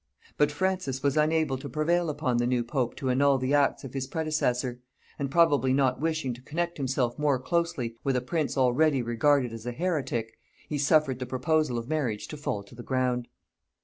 But Francis was unable to prevail upon the new pope to annul the acts of his predecessor; and probably not wishing to connect himself more closely with a prince already regarded as a heretic, he suffered the proposal of marriage to fall to the ground.